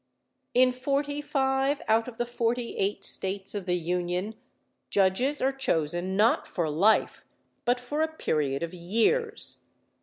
In forty five out of the forty eight states of the Union, judges are chosen not for life but for a period of years.